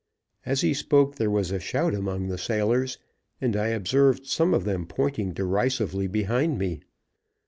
As he spoke there was a shout among the sailors, and I observed some of them pointing derisively behind me.